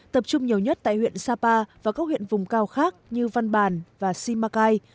tập trung nhiều nhất tại huyện sapa và các huyện vùng cao khác như văn bàn và simacai